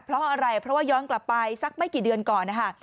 เพราะอะไรเพราะว่าย้อนกลับไปสักไม่กี่เดือนก่อนนะคะ